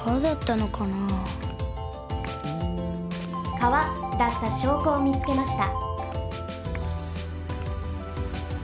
川だったしょうこをみつけました。